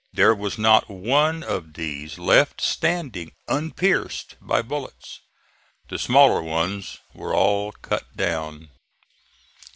There was not one of these left standing unpierced by bullets. The smaller ones were all cut down.